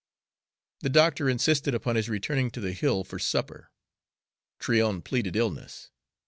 The doctor insisted upon his returning to the Hill for supper. Tryon pleaded illness.